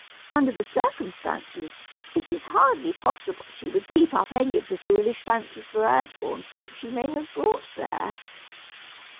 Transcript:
Under the circumstances, it is hardly possible she would keep up any of the foolish fancies for earth born folk she may have brought there."